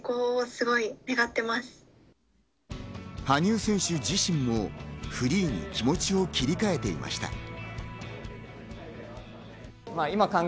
羽生選手自身もフリーに気持ちを切り替えていました。